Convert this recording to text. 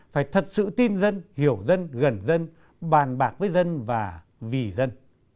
phải thật sự tin dân hiểu dân gần dân bàn bạc với dân và vì dân